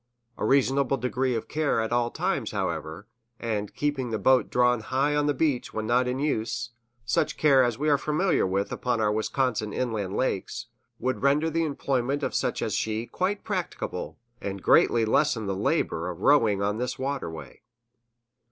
A reasonable degree of care at all times, however, and keeping the boat drawn high on the beach when not in use, such care as we are familiar with upon our Wisconsin inland lakes, would render the employment of such as she quite practicable, and greatly lessen the labor of rowing on this waterway.